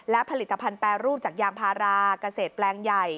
และผลิตภัณฑ์แปรรูปจากยางพาราเกษตรแปลงใหญ่